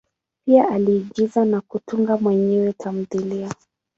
Pia aliigiza na kutunga mwenyewe tamthilia.